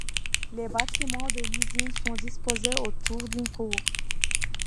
Les bâtiments de l'usine sont disposés autour d'une cour.